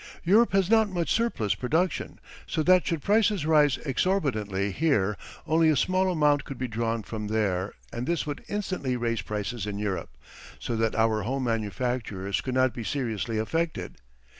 Europe has not much surplus production, so that should prices rise exorbitantly here only a small amount could be drawn from there and this would instantly raise prices in Europe, so that our home manufacturers could not be seriously affected.